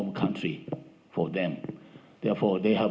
mereka memiliki keuntungan